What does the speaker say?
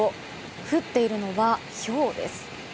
降っているのは、ひょうです。